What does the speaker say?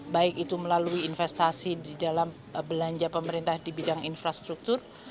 baik itu melalui investasi di dalam belanja pemerintah di bidang infrastruktur